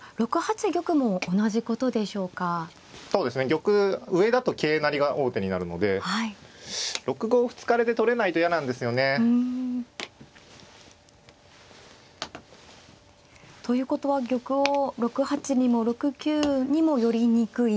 玉上だと桂成りが王手になるので６五歩突かれて取れないと嫌なんですよね。ということは玉を６八にも６九にも寄りにくい。